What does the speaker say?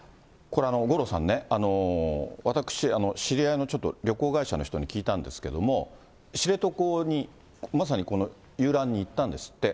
これ五郎さんね、私、知り合いのちょっと旅行会社の人に聞いたんですけれども、知床に、まさにこの遊覧に行ったんですって。